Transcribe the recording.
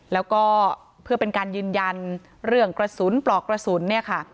แล้วก็เพื่อเป็นการยืนยันเรื่องกระสุนปลอกกระสุนเนี่ยค่ะ